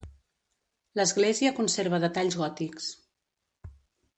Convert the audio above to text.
L'església conserva detalls gòtics.